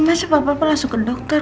masa bapak bapak langsung ke dokter